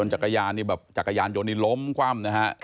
จนจักรยานยนต์นี้ล้มกว้ำ